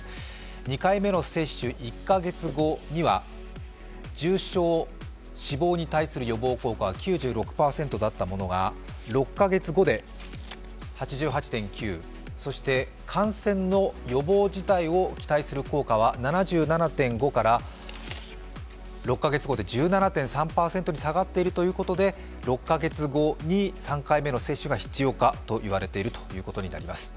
２回目の接種１カ月後には重症、死亡に対する予防が９６％だったものが６カ月後で８８．９、そして感染の予防自体を期待する効果は７７．５から、６カ月後に１７．３％に下がっているということで６カ月後に３回目の接種が必要かと言われているということになります。